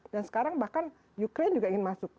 dan sekarang bahkan ukraine juga ingin masuk